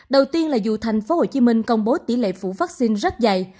đầu tiên là dù thành phố hồ chí minh công bố tỷ lệ phủ vaccine rất dày